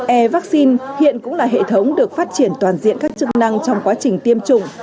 e vaccine hiện cũng là hệ thống được phát triển toàn diện các chức năng trong quá trình tiêm chủng